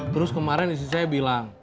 terus kemarin istri saya bilang